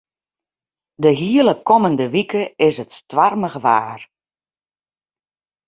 De hiele kommende wike is it stoarmich waar.